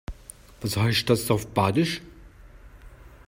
Was heißt das auf Badisch?